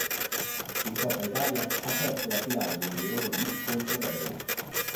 In Coppa Italia, ha perso la finale del girone D contro Veroli.